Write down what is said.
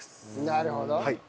なるほど。